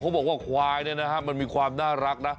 เขาบอกว่าควายมันมีความน่ารักนะ